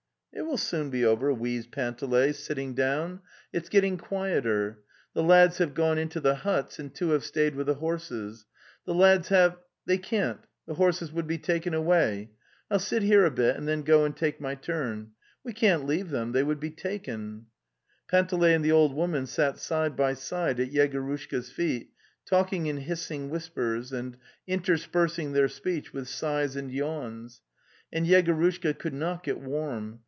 "It will soon be over," wheezed Panteley, sitting down;) "it's; gettine quieter, .... The lads) shave gone into the huts, and two have stayed with the herses, )) Phewlads have. 4). 2) Dhey ican tis. atae horses would be taken away. ... I'll sit here a bit and then go and take my turn. ... We can't leave them; they would be taken. ..." Panteley and the old woman sat side by side at Yegorushka's feet, talking in hissing whispers and interspersing their speech with sighs and yawns. And Yegorushka could not get warm.